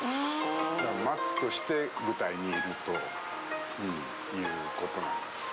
だから松として舞台にいるということなんです。